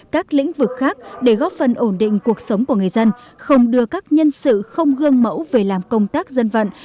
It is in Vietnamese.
các lĩnh vực khác để góp phần ổn định cuộc sống của người dân không đưa các nhân sự không gương mẫu về làm công tác dân vận